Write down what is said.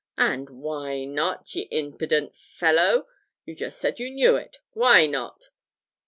'And why not, ye impident fellow? You've just said you knew it. Why not?'